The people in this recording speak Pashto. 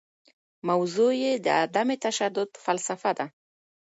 موضوع یې د عدم تشدد فلسفه ده.